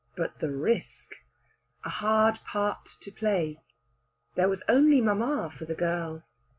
BUT, THE RISK! A HARD PART TO PLAY. THERE WAS ONLY MAMMA FOR THE GIRL!